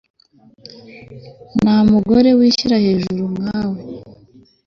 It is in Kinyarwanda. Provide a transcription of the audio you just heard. Nta mugore wishyira hejuru nka we